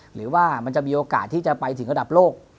หรือว่ามันจะมีโอกาสที่จะไปถึงระดับโลก